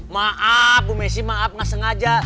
maaf bu messi maaf nggak sengaja